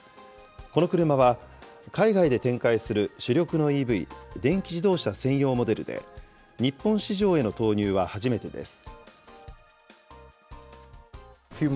この車は、海外で展開する主力のＥＶ・電気自動車専用モデルで、日本市場への投入は初めてです。